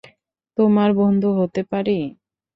তোমার বন্ধু হতে পারি?